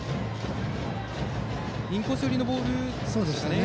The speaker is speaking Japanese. インコース寄りのボールでしたかね。